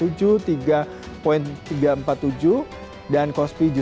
harga minyak tergelincir pada informasi pagi tadi